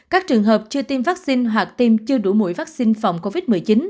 các trường hợp chưa tiêm vaccine hoặc tiêm chưa đủ mũi vaccine phòng covid một mươi chín